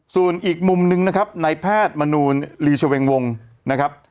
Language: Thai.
ส่วนอีกมุมนึงนะครับในแพทย์มนูลลีชเวงวงนะครับ